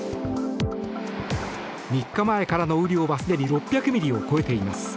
３日前からの雨量は、すでに６００ミリを超えています。